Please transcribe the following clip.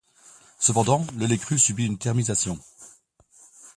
Cependant, le lait cru subi une thermisation.